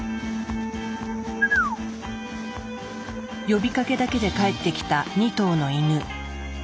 呼びかけだけで帰ってきた２頭のイヌ。